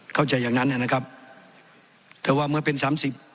เข้าใจอย่างนั้นนะครับแต่ว่าเมื่อเป็นสามสิบ